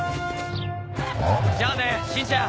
じゃあねしんちゃん！